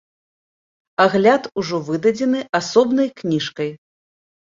Агляд ужо выдадзены асобнай кніжкай.